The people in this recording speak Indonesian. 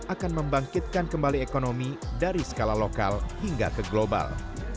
akan membangkitkan kembali ekonomi dari skala lokal hingga ke global